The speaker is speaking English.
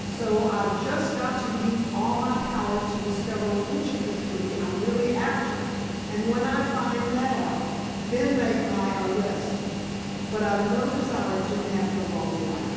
So, I've just got to use all my powers to discover which of the three I'm really after, and when I find that out, then make my arrest. But I've no desire to nab the wrong one."